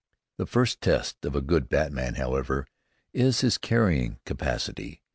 The real test of a good batman, however, is his carrying capacity.